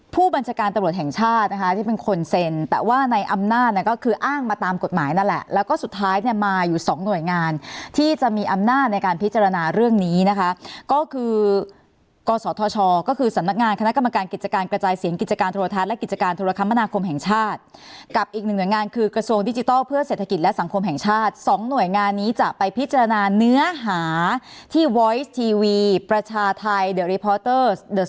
ผู้บัญชาการตรวจแห่งชาตินะคะที่เป็นคนเซ็นแต่ว่าในอำนาจก็คืออ้างมาตามกฎหมายนั่นแหละแล้วก็สุดท้ายเนี่ยมาอยู่สองหน่วยงานที่จะมีอำนาจในการพิจารณาเรื่องนี้นะคะก็คือกรสอทชก็คือสำนักงานคณะกรรมการกิจการกระจายเสียงกิจการธุรทัศน์และกิจการธุรกรรมนาคมแห่งชาติกับอีกหน่วยงานคือกระทรว